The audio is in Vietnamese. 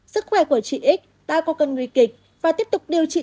sức khỏe của chị x đã có cân nguy kịch và tiếp tục điều trị